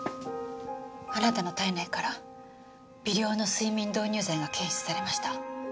あなたの体内から微量の睡眠導入剤が検出されました。